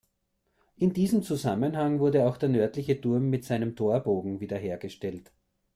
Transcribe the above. In diesem Zusammenhang wurde auch der nördliche Turm mit seinem Torbogen wiederhergestellt.